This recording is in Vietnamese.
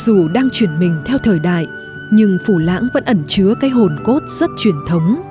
dù đang chuyển mình theo thời đại nhưng phủ lãng vẫn ẩn chứa cái hồn cốt rất truyền thống